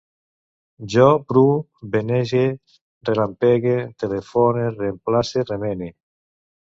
Jo pru, vanege, rellampegue, telefone, reemplace, remene